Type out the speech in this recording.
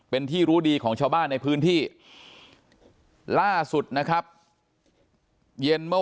เป็นที่รู้ดีของชาวบ้านในพื้นที่ล่าสุดนะครับเย็นเมื่อ